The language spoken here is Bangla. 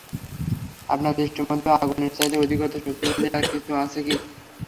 আপনার সৃষ্টির মধ্যে আগুনের চাইতে অধিকতর শক্তিশালী আর কিছু আছে কি?